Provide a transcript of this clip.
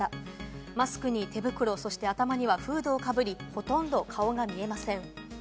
マスクに手袋、そして頭にはフードをかぶり、ほとんど顔が見えません。